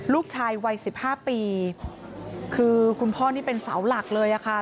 ลูกชายวัยสิบห้าปีคือคุณพ่อนี่เป็นเสาหลักเลยอะค่ะ